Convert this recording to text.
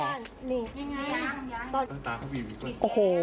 นี่ไง